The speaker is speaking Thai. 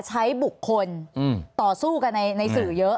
ใช้บุคคลต่อสู้กันในสื่อเยอะ